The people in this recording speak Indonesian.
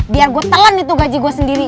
biar gue telan itu gaji gue sendiri